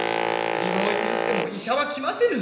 薬は置いてあっても医者は来ませぬ。